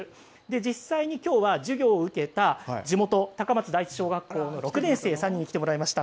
実際にきょうは授業を受けた地元、高松第一小学校の６年生３人に来てもらいました。